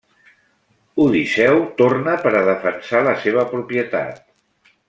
Odisseu torna per a defensar la seva propietat.